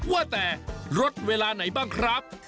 ว่าแต่ลดเวลาไหนบ้างครับ